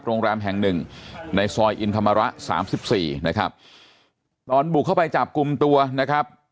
โรงแรมแห่งหนึ่งในซอยอินธรรมระสามสิบสี่นะครับตอนบุกเข้าไปจับกลุ่มตัวนะครับ